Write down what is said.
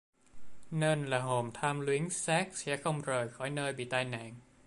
nên là hồn tham luyến xác sẽ không rời khỏi nơi bị tai nạn